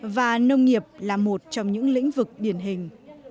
và nông nghiệp là một trong những lĩnh vực điển hình